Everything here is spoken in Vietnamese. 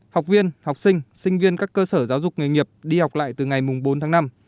học viên học sinh sinh viên các cơ sở giáo dục nghề nghiệp đi học lại từ ngày bốn tháng năm